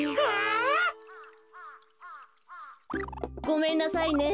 ごめんなさいね。